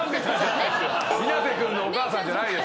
稲瀬君のお母さんじゃないです。